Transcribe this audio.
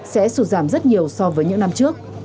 sẽ sụt giảm rất nhiều so với những năm trước